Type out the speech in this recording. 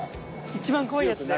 一番怖いやつだ。